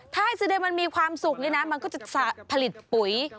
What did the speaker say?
ถ้าให้แสดงมันมีความสุขนี่นะมันก็จะผลิตปุ๋ย